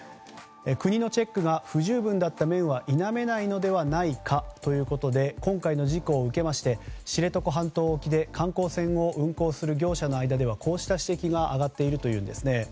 国のチェックが不十分だった面は否めないのではないかということで今回の事故を受けまして知床半島沖で観光船を運行する業者の間ではこうした指摘が上がっています。